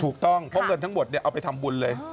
ถูกต้องเพราะเงินทั้งหมดเอาไปทำบุญเลย